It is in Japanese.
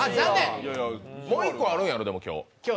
もう１個あるやろ、今日。